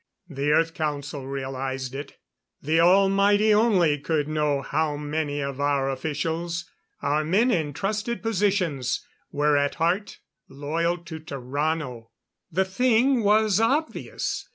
The Earth Council realized it. The Almighty only could know how many of our officials, our men in trusted positions, were at heart loyal to Tarrano! The thing was obvious.